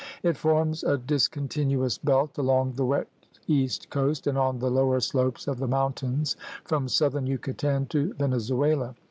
It forms a discontinuous belt along the wet east coast and on the lower slopes of the mountains from southern Yucatan to Venezuela.